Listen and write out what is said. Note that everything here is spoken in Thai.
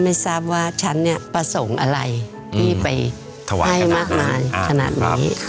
ไม่ทราบว่าฉันเนี่ยประสงค์อะไรที่ไปถวายให้มากมายขนาดนี้